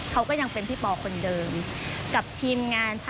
เขาก็ยังเป็นพี่ปอคนเดิมกับทีมงาน